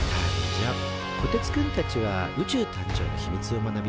こてつくんたちは宇宙誕生の秘密を学び